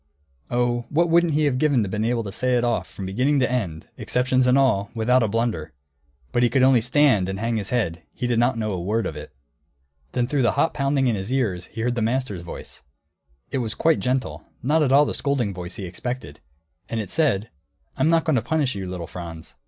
Oh, what wouldn't he have given to be able to say it off from beginning to end, exceptions and all, without a blunder! But he could only stand and hang his head; he did not know a word of it. Then through the hot pounding in his ears he heard the master's voice; it was quite gentle; not at all the scolding voice he expected. And it said, "I'm not going to punish you, little Franz.